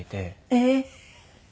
えっ？